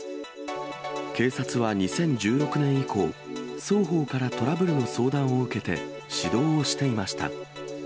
警察は２０１６年以降、双方からトラブルの相談を受けて、指導をしていました。